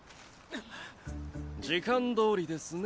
時間通りですね